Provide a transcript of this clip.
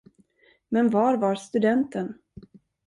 Men var var studenten?